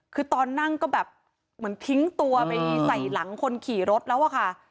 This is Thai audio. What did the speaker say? คือตอนนั่งก็แบบเหมือนทิ้งตัวไปใส่หลังคนขี่รถแล้วอะค่ะ